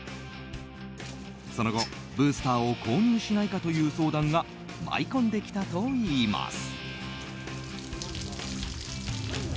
その後、ブースターを購入しないかという相談が舞い込んできたといいます。